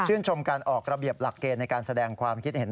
ชมการออกระเบียบหลักเกณฑ์ในการแสดงความคิดเห็น